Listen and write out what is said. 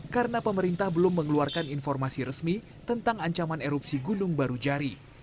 karena pemerintah belum mengeluarkan informasi resmi tentang ancaman erupsi gunung barujari